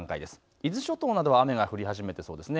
伊豆諸島などは雨が降り始めてそうですね。